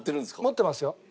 持ってますよ。